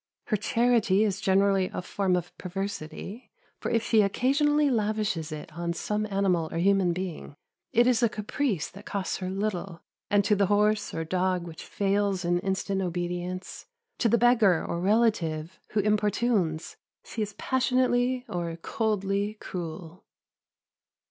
Her charity is generally a form of perversity; for if she occasionally lavishes it on some animal or human being, it is a caprice that costs her little, and to the horse or dog which fails in instant obedience, to the beggar or relative who importunes, she is passionately or coldly cruel.